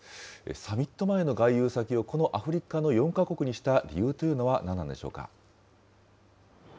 サミット前の外遊先を、このアフリカの４か国にした理由というのは何なんでしょうか。